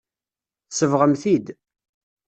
Tsebɣem-t-id.